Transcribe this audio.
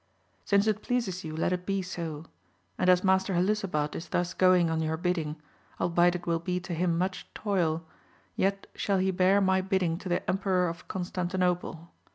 Since it pleases you, let it be so ; and as Master Helisabad is thus going on your bidding, albeit it will be to him much toil, yet shall he bear my bidding to the Emperor of Constantinople.